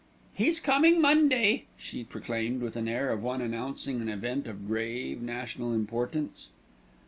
"He's coming Monday," she proclaimed with the air of one announcing an event of grave national importance.